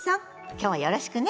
今日はよろしくね。